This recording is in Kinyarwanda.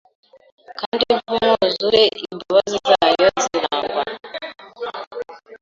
Kandi nk'umwuzure Imbabazi zayo ziragwa